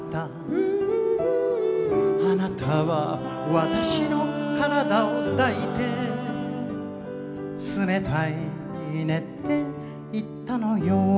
「貴方は私の身体を抱いて」「冷たいねって言ったのよ」